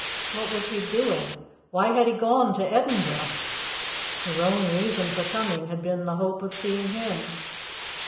What was he doing? Why had he gone to Edinburgh? Her own reason for coming had been the hope of seeing him.